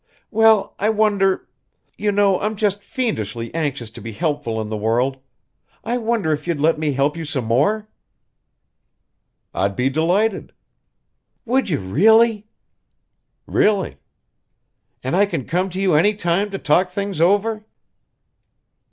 "Well, I wonder you know I'm just fiendishly anxious to be helpful in the world I wonder if you'd let me help you some more?" "I'd be delighted." "Would you really?" "Really!" "And I can come to you any time to talk things over?"